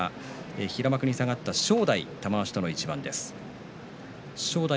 ３位は平幕に下がった正代玉鷲との一番です。